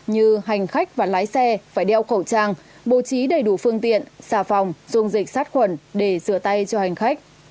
như hành khách và lái xe phải đeo khẩu trang bố trí đầy đủ phương tiện xà phòng dùng dịch sát khuẩn để sửa tay cho hành khách